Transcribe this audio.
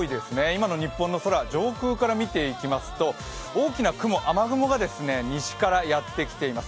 今の日本の空、上空から見ていきますと大きな雲、雨雲が西からやってきています。